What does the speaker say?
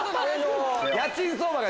家賃相場が。